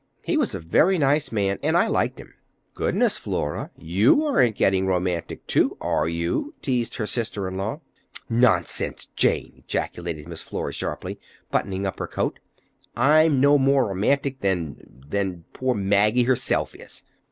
He was a very nice man, and I liked him." "Goodness, Flora, you aren't, getting romantic, too, are you?" teased her sister in law. "Nonsense, Jane!" ejaculated Miss Flora sharply, buttoning up her coat. "I'm no more romantic than—than poor Maggie herself is!"